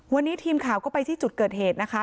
วันนี้ทีมข่าวก็ไปที่จุดเกิดเหตุนะคะ